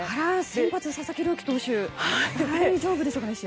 先発、佐々木朗希投手大丈夫でしょうか。